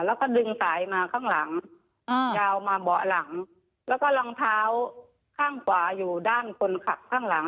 แล้วก็ดึงสายมาข้างหลังยาวมาเบาะหลังแล้วก็รองเท้าข้างขวาอยู่ด้านคนขับข้างหลัง